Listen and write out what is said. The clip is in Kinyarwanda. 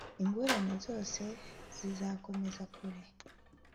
Ingorane zose zizakomeza kure